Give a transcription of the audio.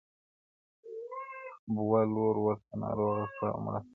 بوه لور ورته ناروغه سوه او مړه سوه -